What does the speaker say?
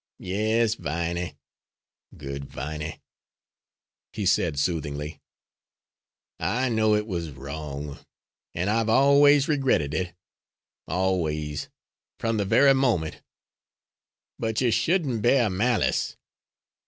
"Yes, Viney, good Viney," he said, soothingly, "I know it was wrong, and I've always regretted it, always, from the very moment. But you shouldn't bear malice.